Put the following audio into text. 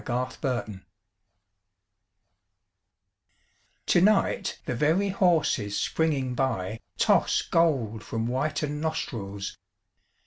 WINTER EVENING To night the very horses springing by Toss gold from whitened nostrils.